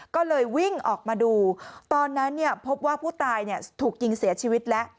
ก็เลยวิ่งออกมาดูตอนนั้นพบว่าผู้ตายถูกยิงเสียชีวิตแล้ว